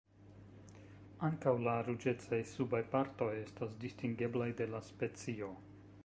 Ankaŭ la ruĝecaj subaj partoj estas distingeblaj de la specio.